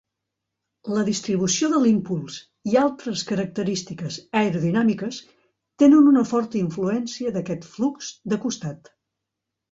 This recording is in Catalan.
La distribució de l'impuls i altres característiques aerodinàmiques tenen una forta influència d'aquest flux de costat.